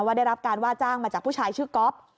ได้รับการว่าจ้างมาจากผู้ชายชื่อก๊อฟ